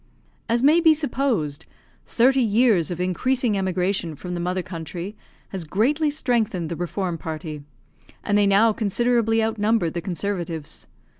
As may be supposed, thirty years of increasing emigration from the mother country has greatly strengthened the reform party, and they now considerably out number the conservatives.